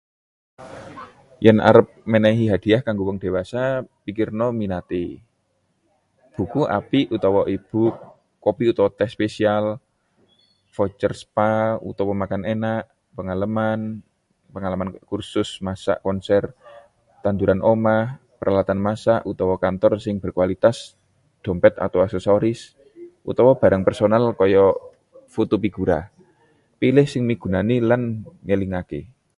Yen arep menehi hadiah kanggo wong diwasa, pikirna minaté: buku apik utawa e-book, kopi/teh spesial, voucher spa utawa makan enak, pengalaman kursus masak, konser, tanduran omah, peralatan masak utawa kantor sing berkualitas, dompet/aksesori, utawa barang personal kaya foto pigura. Pilih sing migunani lan ngelingaké.